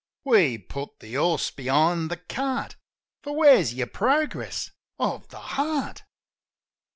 We put the horse behind the cart; For where's your progress of the heart?